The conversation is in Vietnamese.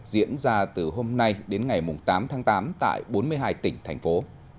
diễn ra từ hôm nay đến ngày tám tháng tám tại bốn mươi hai tỉnh thành phố